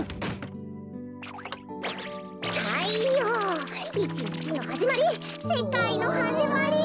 たいよういちにちのはじまりせかいのはじまり。